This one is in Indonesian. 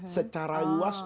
secara luas oleh makmum